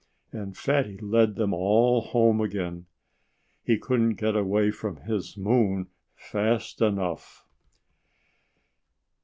And Fatty led them all home again. He couldn't get away from his moon fast enough.